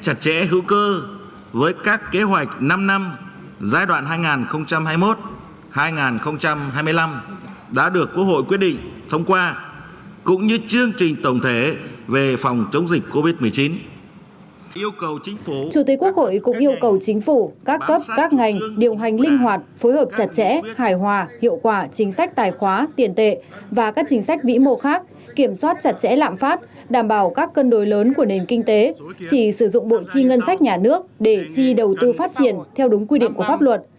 chủ tịch quốc hội cũng yêu cầu chính phủ các cấp các ngành điều hành linh hoạt phối hợp chặt chẽ hài hòa hiệu quả chính sách tài khoá tiền tệ và các chính sách vĩ mô khác kiểm soát chặt chẽ lạm phát đảm bảo các cân đối lớn của nền kinh tế chỉ sử dụng bộ chi ngân sách nhà nước để chi đầu tư phát triển theo đúng quy định của pháp luật